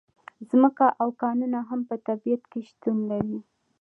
ځمکه او کانونه هم په طبیعت کې شتون لري.